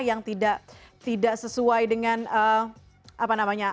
yang tidak sesuai dengan apa namanya